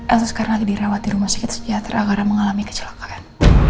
atau sekarang lagi dirawat di rumah sakit sejahtera karena mengalami kecelakaan